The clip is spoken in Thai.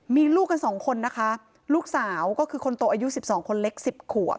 มีลูกกันสองคนนะคะลูกสาวก็คือคนโตอายุ๑๒คนเล็ก๑๐ขวบ